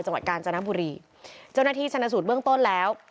จังหวัดกาญจนบุรีเจ้าหน้าที่ชนะสูตรเบื้องต้นแล้ว